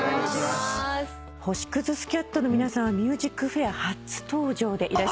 星屑スキャットの皆さんは『ＭＵＳＩＣＦＡＩＲ』初登場でいらっしゃいますよね。